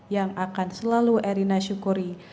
yang akan selalu erina syukuri